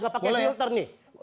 gak pakai filter nih